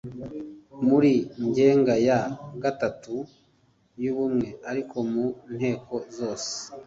muri ngenga ya gatatu y’ubumwe ariko mu nteko zose